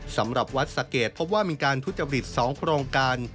สำหรับวัดสะเกดพบว่ามีการทุจริต๒โครงการ